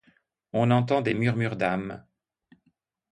On entend des murmures d’âmes ;